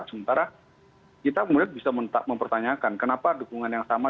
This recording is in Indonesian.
sementara kita mulai bisa mempertanyakan kenapa dukungan yang sama